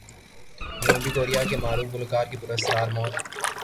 جنوبی کوریا کی معروف گلوکارہ کی پر اسرار موت